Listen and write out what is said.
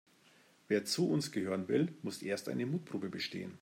Wer zu uns gehören will, muss erst eine Mutprobe bestehen.